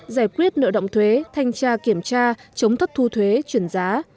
giải quyết nợ động thuế thanh tra kiểm tra chống thất thu thuế chuyển giá